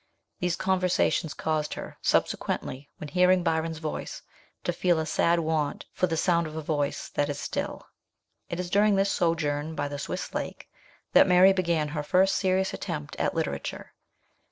These conversations caused her, subsequently, when hearing Byron's voice, to feel a sad want for " the sound of a voice that is still." It is during this sojourn by the Swiss Lake that Mary began her first serious attempt at literature.